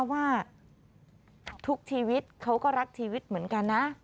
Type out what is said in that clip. ว่าทุกชีวิตเขาก็รักชีวิตเหมือนกันนะ